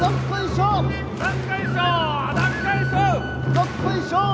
どっこいしょー